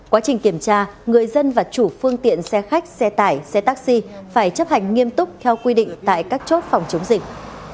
quá trình kiểm tra người dân và chủ phương tiện xe khách xe tải xe taxi phải chấp hành nghiêm túc theo quy định tại các chốt phòng chống dịch